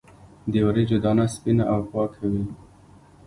د وریجو دانه سپینه او پاکه وي.